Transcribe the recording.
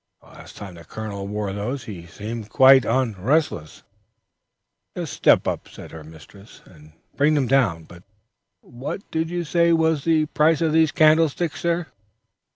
The last time the colonel wore them he seemed quite on restless." "Just step up," said her mistress, "and bring them down; but stay what did you say was the price of these candlesticks, sir?"